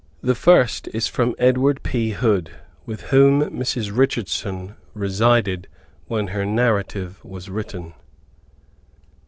The first is from Edward P. Hood, with whom Mrs. Richardson resided when her narrative was written.